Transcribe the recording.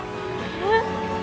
えっ。